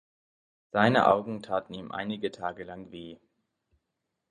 Seine Augen taten ihm einige Tage lang weh.